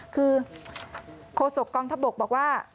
คือโคศกกองทัพบกบอกว่า